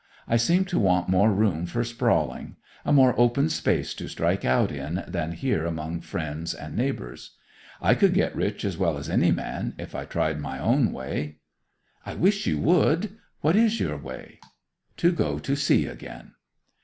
I seem to want more room for sprawling; a more open space to strike out in than here among friends and neighbours. I could get rich as well as any man, if I tried my own way.' 'I wish you would! What is your way?' 'To go to sea again.